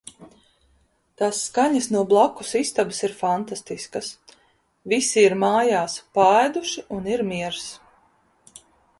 Tās skaņas no blakus istabas ir fantastiskas. Visi ir mājās, paēduši un ir miers.